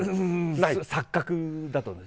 錯覚だと思います。